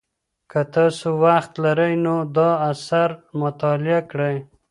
که تاسو وخت لرئ نو دا اثر مطالعه کړئ.